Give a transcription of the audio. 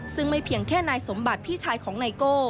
ซึ่งไม่เพียงแค่นายสมบัติพี่ชายของไนโก้